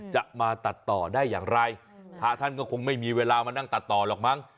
จะมาตัดต่อได้อย่างไรพระท่านก็คงไม่มีเวลามานั่งตัดต่อหรอกมั้ง